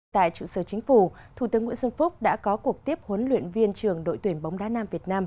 tại trụ sở chính phủ thủ tướng nguyễn xuân phúc đã có cuộc tiếp huấn luyện viên trưởng đội tuyển bóng đá nam việt nam